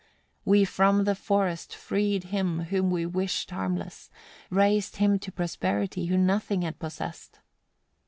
We from the forest freed him whom we wished harmless, raised him to prosperity who nothing had possessed.